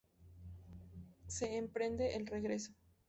Se emprende el regreso.